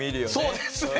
そうですね！